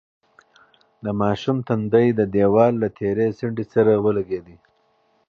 د ماشوم تندی د دېوال له تېرې څنډې سره ولگېد.